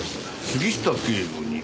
杉下警部に。